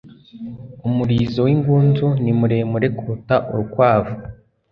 Umurizo w'ingunzu ni muremure kuruta urukwavu.